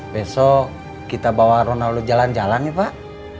besok kita bawa ronaldo jalan jalan nih pak